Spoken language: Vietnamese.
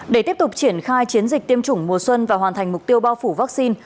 để tiếp tục triển khai chiến dịch tiêm chủng mùa xuân và hoàn thành mục tiêu bao phủ vaccine